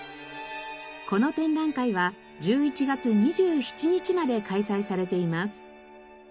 この展覧会は１１月２７日まで開催されています。